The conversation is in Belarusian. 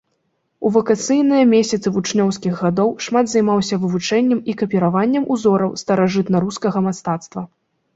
У вакацыйныя месяцы вучнёўскіх гадоў шмат займаўся вывучэннем і капіраваннем узораў старажытнарускага мастацтва.